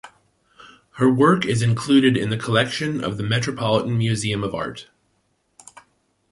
Her work is included in the collection of the Metropolitan Museum of Art.